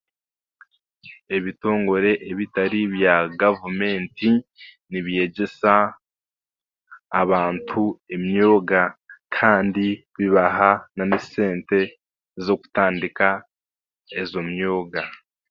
Ebitongore ebitari bya gavumenti nibyegyesa abantu emyoga, kandi nibibaha n'esente ez'okutandika ezo myoga.